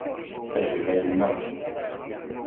A yemma yemma!